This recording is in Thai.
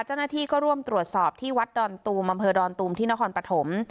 เจ้าหน้าที่ก็ร่วมตรวจสอบที่วัดดอนตูมอำเภอดอนตูมที่นครปฐม